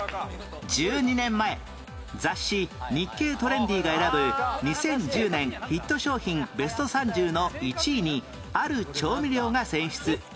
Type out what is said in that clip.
１２年前雑誌『日経トレンディ』が選ぶ２０１０年ヒット商品ベスト３０の１位にある調味料が選出